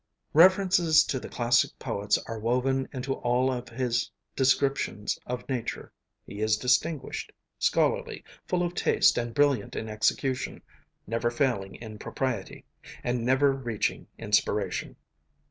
References to the classic poets are woven into all of his descriptions of nature. He is distinguished, scholarly, full of taste, and brilliant in execution; never failing in propriety, and never reaching inspiration.